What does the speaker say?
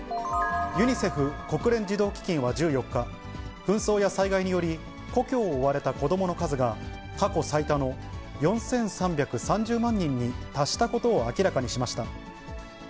ユニセフ・国連児童基金は１４日、紛争や災害により故郷を追われた子どもの数が、過去最多の４３３０万人に達したことを明らかにしました。